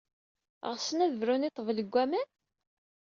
Ɣsen ad brun i ḍḍbel deg waman?